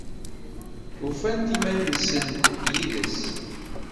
Ufant iman-nsent yid-s?